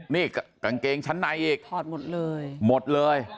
นี่กางเกงชั้นในอีกถอดหมดเลย